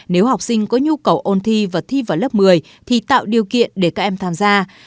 nếu học sinh có nhu cầu ôn thi và thi vào lớp một mươi thì tạo điều kiện để các em tham gia